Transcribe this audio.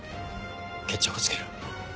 決着をつける。